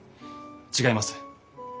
違います。